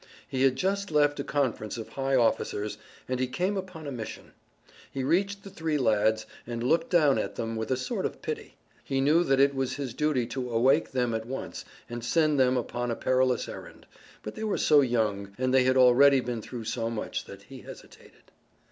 He had just left a conference of high officers, and he came upon a mission. He reached the three lads, and looked down at them with a sort of pity. He knew that it was his duty to awake them at once and send them upon a perilous errand, but they were so young, and they had already been through so much that he hesitated.